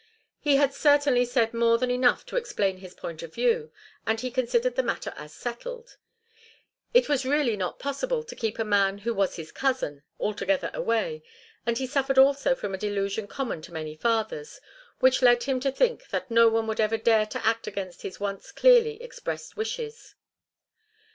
He had certainly said more than enough to explain his point of view, and he considered the matter as settled. It was really not possible to keep a man who was his cousin altogether away, and he suffered also from a delusion common to many fathers, which led him to think that no one would ever dare to act against his once clearly expressed wishes.